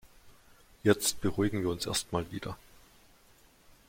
Jetzt beruhigen wir uns erst mal wieder.